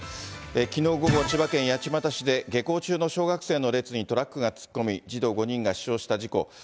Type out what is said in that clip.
きのう午後、千葉県八街市で下校中の小学生の列にトラックが突っ込み、児童５人が死傷した事故。